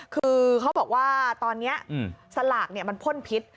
คือเขาบอกว่าตอนนี้สลากมันพ่นพิษ